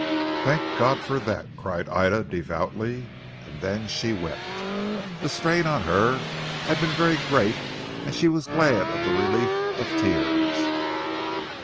"Thank God for that!" cried Ida devoutly and then she wept. The strain on her had been very great and she was glad of the relief of tears.